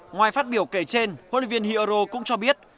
ngoài phát biểu kể trên huấn luyện viên hyuro cũng cho biết